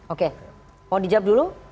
oke mau dijawab dulu